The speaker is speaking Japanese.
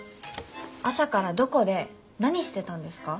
朝からどこで何してたんですか？